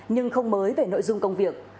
nhưng không mới về nội dung công việc